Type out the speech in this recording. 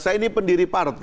saya ini pendiri partai